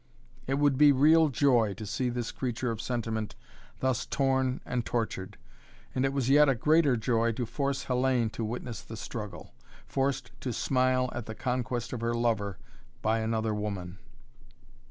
It would be real joy to see this creature of sentiment thus torn and tortured. And it was yet a greater joy to force Hellayne to witness the struggle, forced to smile at the conquest of her lover by another woman.